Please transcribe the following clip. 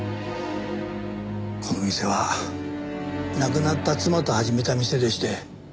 この店は亡くなった妻と始めた店でして。